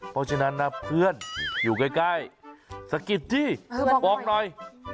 เพราะฉะนั้นนะเพื่อนอยู่ใกล้สะกิดสิบอกหน่อย